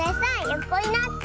よこになって。